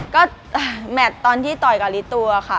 ก็แมทตอนที่ต่อยกับลิตัวค่ะ